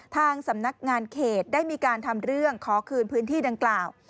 ทางสำนักงานเขตได้มีการทำเรื่องขอคืนพื้นที่ดังกล่าว